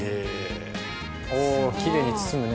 おっきれいに包むね。